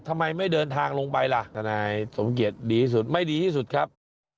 ทำไมไม่เดินทางลงไปล่ะทนายสมเกียจดีที่สุดไม่ดีที่สุดครับ